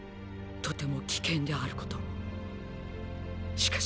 とても危険であることも。